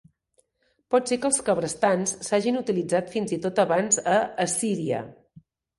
Pot ser que els cabrestants s'hagin utilitzat fins i tot abans a Assíria.